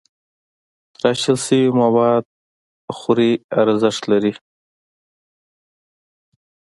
تراشل شوي مواد خوري ارزښت لري.